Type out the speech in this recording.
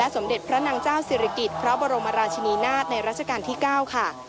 สมเด็จพระนางเจ้าศิริกิจพระบรมราชินีนาฏในราชการที่๙ค่ะ